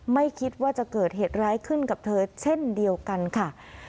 ไม่คิดว่าจะเกิดเหตุร้ายขึ้นกับเธอเช่นเดียวกันค่ะ